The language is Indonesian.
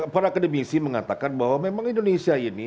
para akademisi mengatakan bahwa memang indonesia ini